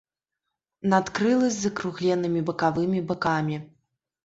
Надкрылы з закругленымі бакавымі бакамі.